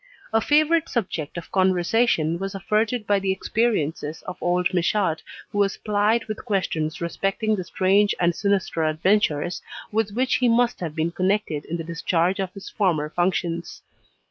A favourite subject of conversation was afforded by the experiences of old Michaud who was plied with questions respecting the strange and sinister adventures with which he must have been connected in the discharge of his former functions.